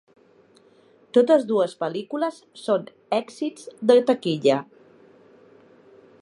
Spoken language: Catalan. Totes dues pel·lícules són èxits de taquilla.